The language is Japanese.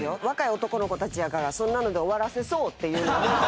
若い男の子たちやからそんなので終わらせそうっていうので。